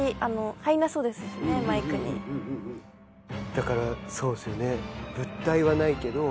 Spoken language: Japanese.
だからそうですよね。